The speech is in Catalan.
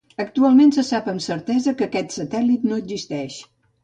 Actualment se sap amb certesa que aquest satèl·lit no existeix.